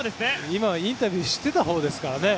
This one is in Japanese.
今、インタビューしてたほうですからね。